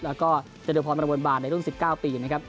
แล้วก็จตุพรประมวลบานในรุ่น๑๙ปีนะครับ